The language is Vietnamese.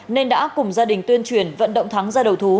nên đã cùng gia đình tuyên truyền vận động thắng ra đầu thú